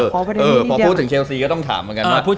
พอพูดถึงเชลซีก็ต้องถามอ่ะ